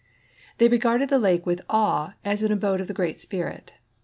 They regarded the lake with awe as an abode of the Great Spirit.